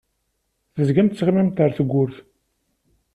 Tezgamt tettɣamamt ar tewwurt.